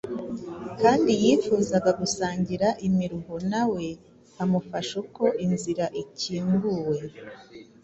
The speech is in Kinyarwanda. kandi yifuzaga gusangira imiruho nawe amufasha uko inzira ikinguwe.